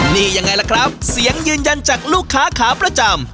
นี่ยังไงล่ะครับเสียงยืนยันจากลูกค้าขาประจำ